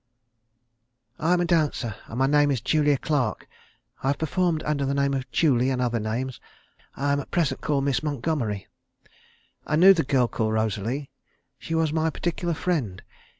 "I am a dancer, and my name is Julia Clark: I have performed under the name of Julie, and other names. I am at present called Miss Montgomery. I knew the girl called Rosalie. She was my particular friend.